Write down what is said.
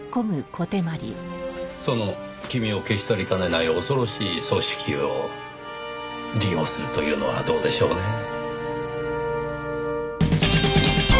その君を消し去りかねない恐ろしい組織を利用するというのはどうでしょうねぇ？